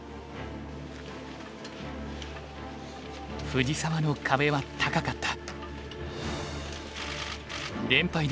藤沢の壁は高かった。